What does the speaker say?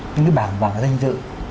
những cái bảng bảng danh dự